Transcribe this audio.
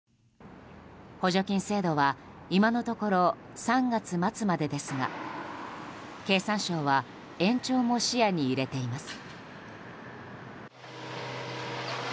補助金制度は今のところ３月末までですが経産省は延長も視野に入れています。